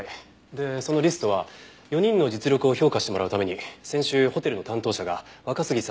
でそのリストは４人の実力を評価してもらうために先週ホテルの担当者が若杉さんに渡したものだそうです。